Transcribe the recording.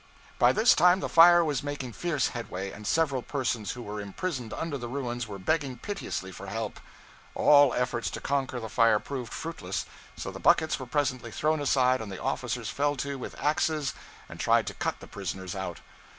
By this time the fire was making fierce headway, and several persons who were imprisoned under the ruins were begging piteously for help. All efforts to conquer the fire proved fruitless; so the buckets were presently thrown aside and the officers fell to with axes and tried to cut the prisoners out.